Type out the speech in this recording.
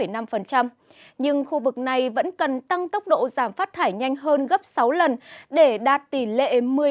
nhưng khu vực này vẫn cần tăng tốc độ giảm phát thải nhanh hơn gấp sáu lần để đạt tỷ lệ một mươi năm